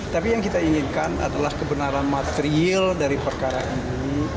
tapi yang kita inginkan adalah kebenaran material dari perkara ini